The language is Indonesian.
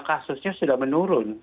kasusnya sudah menurun